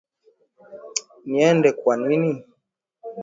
Niende kwa nani?